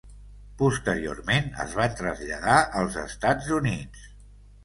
Posteriorment es van traslladar als Estats Units.